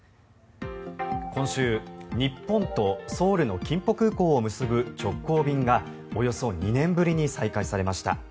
今週、日本とソウルの金浦空港を結ぶ直行便がおよそ２年ぶりに再開されました。